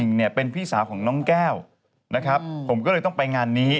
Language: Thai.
งั้นมันยังไง